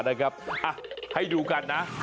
นะครับให้ดูกันนะ